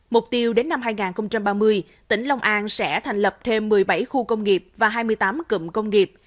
mục tiêu đến năm hai nghìn ba mươi tỉnh long an sẽ thành lập thêm một mươi bảy khu công nghiệp và hai mươi tám cụm công nghiệp